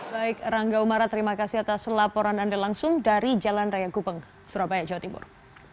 baik rangga umara terima kasih atas laporan anda langsung dari jalan raya gupeng surabaya jawa timur